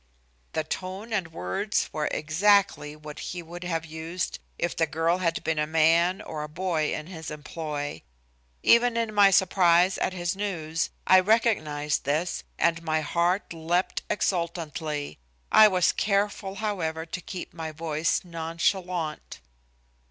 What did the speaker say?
The tone and words were exactly what he would have used if the girl had been a man or boy in his employ. Even in my surprise at his news, I recognized this, and my heart leaped exultantly. I was careful, however, to keep my voice nonchalant.